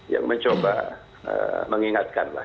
yang mencoba mengingatkan lah